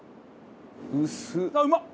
薄っ！